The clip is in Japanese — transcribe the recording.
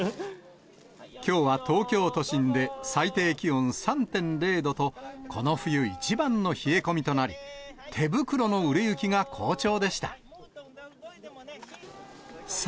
きょうは東京都心で最低気温３．０度と、この冬一番の冷え込みとなり、手袋の売れ行きが好調でした。